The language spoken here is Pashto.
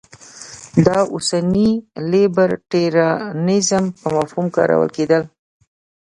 دا اوسني لیبرټریانیزم په مفهوم کارول کېده.